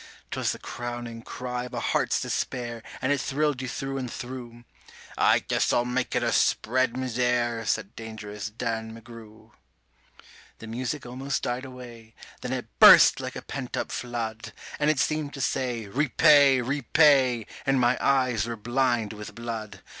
'Twas the crowning cry of a heart's despair, and it thrilled you through and through "I guess I'll make it a spread misere", said Dangerous Dan McGrew. The music almost died away. . .then it burst like a pent up flood; And it seemed to say, "Repay, repay", and my eyes were blind with blood.